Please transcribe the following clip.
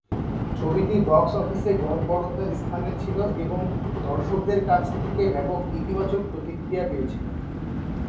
ছবিটি বক্স অফিসে গড়পড়তা স্থানে ছিল এবং দর্শকদের কাছ থেকে ব্যাপক ইতিবাচক প্রতিক্রিয়া পেয়েছিল।